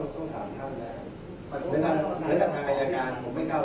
ผมต้องข้างหน้าที่ยังไม่ได้